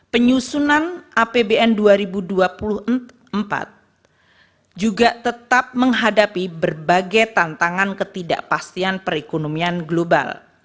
penyusunan apbn dua ribu dua puluh empat juga tetap menghadapi berbagai tantangan ketidakpastian perekonomian global